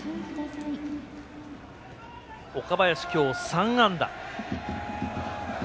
岡林、今日３安打。